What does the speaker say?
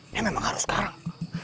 ya memang harus sekarang